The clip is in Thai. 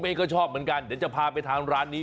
เองก็ชอบเหมือนกันเดี๋ยวจะพาไปทานร้านนี้